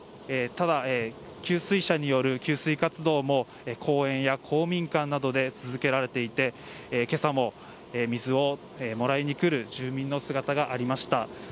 ただ、給水車による給水活動も公園や公民館などで続けられていて今朝も水をもらいにくる住民の姿がありました。